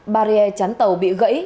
barrier chắn tàu bị gãy